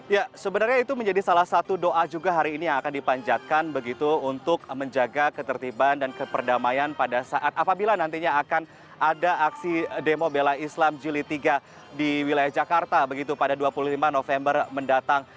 ya sebenarnya itu menjadi salah satu doa juga hari ini yang akan dipanjatkan begitu untuk menjaga ketertiban dan keperdamaian pada saat apabila nantinya akan ada aksi demo bela islam jili tiga di wilayah jakarta begitu pada dua puluh lima november mendatang